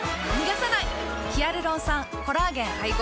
ヒアルロン酸・コラーゲン配合。